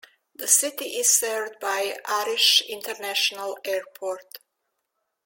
The city is served by Arish International Airport.